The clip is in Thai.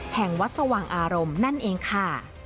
แห่งวัดสว่างอารมณ์นั่นเองค่ะ